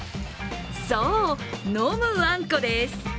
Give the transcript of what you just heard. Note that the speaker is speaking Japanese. そう、飲むあんこです。